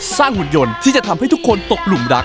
หุ่นยนต์ที่จะทำให้ทุกคนตกหลุมรัก